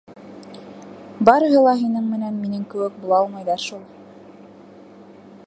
— Барыһы ла һинең менән минең кеүек була алмайҙар шул.